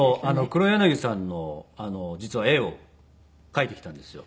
黒柳さんの実は絵を描いてきたんですよ。